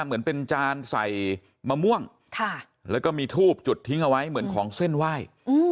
เหมือนเป็นจานใส่มะม่วงแล้วก็มีทูบจุดทิ้งเอาไว้เหมือนของเส้นไหว้